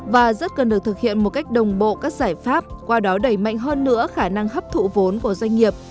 và rất cần được thực hiện một cách đồng bộ các giải pháp qua đó đẩy mạnh hơn nữa khả năng hấp thụ vốn của doanh nghiệp